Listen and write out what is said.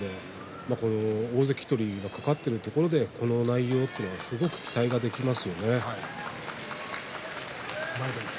大関取りがかかっているところでこうした内容の相撲は今後に期待ができます。